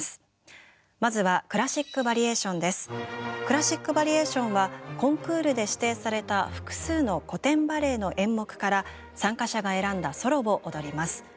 クラシック・バリエーションはコンクールで指定された複数の古典バレエの演目から参加者が選んだソロを踊ります。